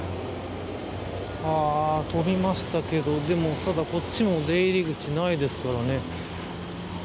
飛びましたけど、ただこっちも出入り口ないですからね。